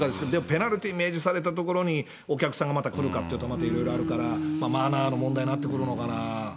ペナルティー明示されたところに、お客さんがまた来るかっていうとまたいろいろあるから、マナーの問題になってくるのかな。